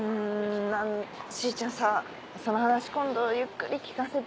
しーちゃんさその話今度ゆっくり聞かせて。